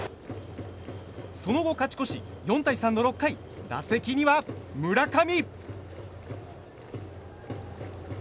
その後、勝ち越し４対３の６回打席には村上。